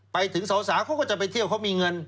ไปถึงสาวเขาก็จะไปเที่ยวเขามีเงิน